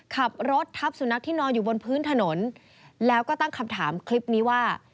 ขับรถทับสุนัขที่นอนอยู่บนพื้นถนนแล้วก็ตั้งคำถามคลิปนี้ว่า